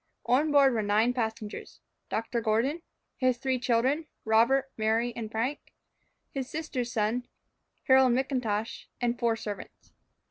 On board were nine passengers; Dr. Gordon, his three children, Robert, Mary, and Frank; his sister's son, Harold McIntosh, and four servants.